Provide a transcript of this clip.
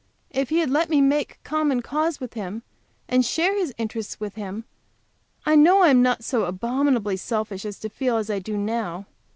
If he had let me make common cause with him and share his interests with him, I know I am not so abominably selfish as to feel as I do now.